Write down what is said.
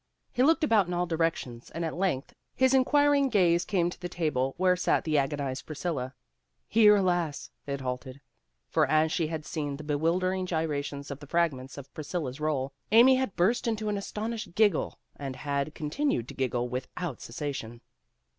He looked about in all directions and at length his inquiring gaze came to the table where sat the agonized Priscilla. Here, alas ! it halted. For as she had seen the bewildering gyrations of the fragment of Priscilla 's roll, Amy had burst into an astonished giggle and had continued to giggle without cessation.